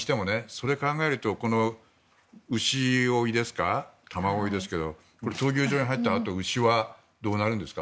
それを考えるとこの牛追いですか玉追いですけど闘牛場に入ったあと牛はどうなるんですか？